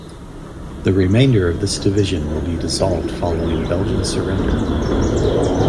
The remainder of this division will be dissolved following Belgian surrender.